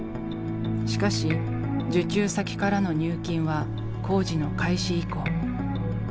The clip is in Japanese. しかし受注先からの入金は工事の開始以降。